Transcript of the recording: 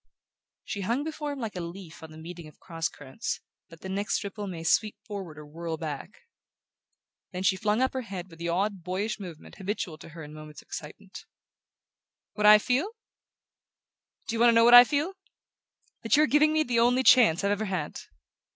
She hung before him like a leaf on the meeting of cross currents, that the next ripple may sweep forward or whirl back. Then she flung up her head with the odd boyish movement habitual to her in moments of excitement. "What I feel? Do you want to know what I feel? That you're giving me the only chance I've ever had!"